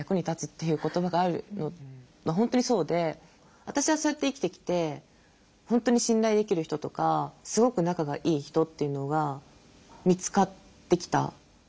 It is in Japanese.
本当に私はそうやって生きてきて本当に信頼できる人とかすごく仲がいい人っていうのが見つかってきた。